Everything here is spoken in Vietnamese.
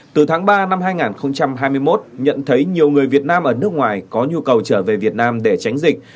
từ tháng ba năm hai nghìn hai mươi một nhận thấy nhiều người việt nam ở nước ngoài có nhu cầu trở về việt nam để tránh dịch